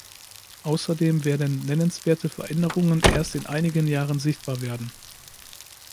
Außerdem werden nennenswerte Veränderungen erst in einigen Jahren sichtbar werden.